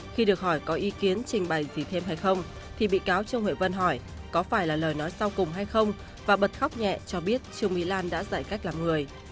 khi được hỏi có ý kiến trình bày gì thêm hay không thì bị cáo trương huệ vân hỏi có phải là lời nói sau cùng hay không và bật khóc nhẹ cho biết trương mỹ lan đã giải cách làm người